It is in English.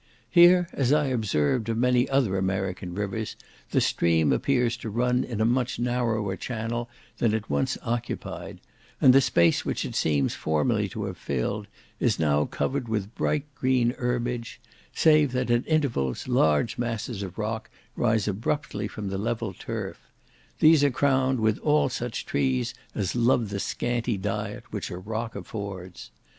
Here, as I observed of many other American rivers, the stream appears to run in a much narrower channel than it once occupied, and the space which it seems formerly to have filled, is now covered with bright green herbage, save that, at intervals, large masses of rock rise abruptly from the level turf; these are crowned with all such trees as love the scanty diet which a rock affords.